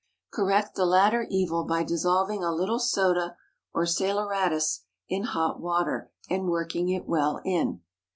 Correct the latter evil by dissolving a little soda or saleratus in hot water, and working it well in.